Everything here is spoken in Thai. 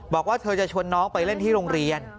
บอกว่าเธอจะชวนน้องไปเล่นที่โรงเรียน